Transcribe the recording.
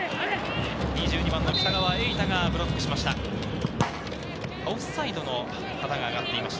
２２番・北川瑛大がブロックしました。